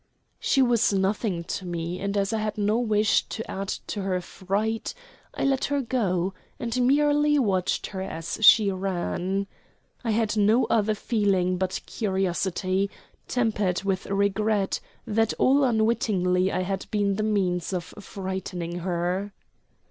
She was nothing to me, and as I had no wish to add to her fright, I let her go, and merely watched her as she ran. I had no other feeling but curiosity, tempered with regret that all unwittingly I had been the means of frightening her.